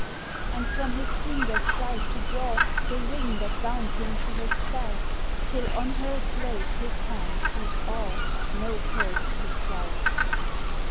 And from his finger strive to draw The ring that bound him to her spell? Till on her closed his hand whose awe No curse could quell?